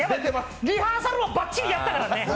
リハーサルもばっちりやったから。